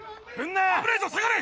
危ないぞ下がれ！